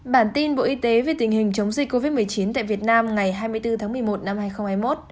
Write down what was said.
bản tin bộ y tế về tình hình chống dịch covid một mươi chín tại việt nam ngày hai mươi bốn tháng một mươi một năm hai nghìn hai mươi một